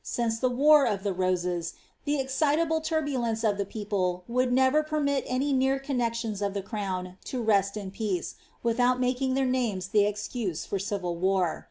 Since the wars of the Roses, the excitable turbulence of the people would never permit any near connexions of the crown to rest in peace, without making their names the excuse for civil war.